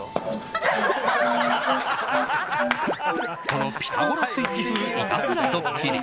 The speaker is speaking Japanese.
この「ピタゴラスイッチ」風いたずらドッキリ。